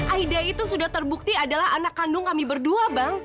aida itu sudah terbukti adalah anak kandung kami berdua bang